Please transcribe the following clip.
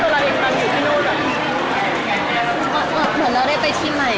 บ๊ายวนบอกผมว่าเราได้ไปที่ใหม่